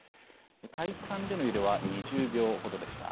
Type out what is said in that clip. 体感での揺れは２０秒ほどでした。